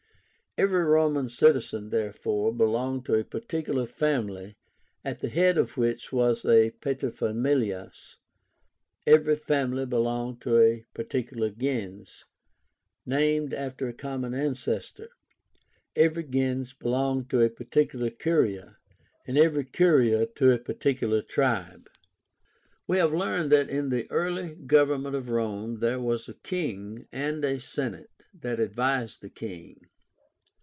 Every Roman citizen, therefore, belonged to a particular family, at the head of which was a pater familias; every family belonged to a particular gens, named after a common ancestor; every gens belonged to a particular curia; and every curia to a particular tribe. We have learned that in the early government of Rome there was a king, and a senate that advised the king.